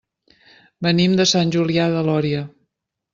Venim de Sant Julià de Lòria.